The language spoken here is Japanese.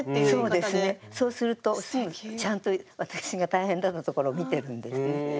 そうするとちゃんと私が大変だったところを見てるんです。